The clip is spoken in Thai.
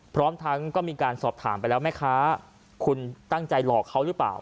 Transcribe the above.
พร้อมทั้งก็มีการสอบถามไปแล้วแม่ค้าคุณตั้งใจหลอกเขาหรือเปล่า